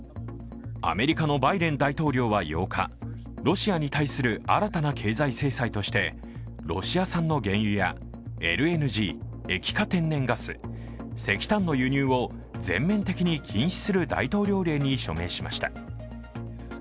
アメリカのバイデン大統領は８日ロシアに対する新たな経済制裁としてロシア産の原油やＬＮＧ＝液化天然ガス、石炭の輸入を全面的に禁止する大統領令に署名しました。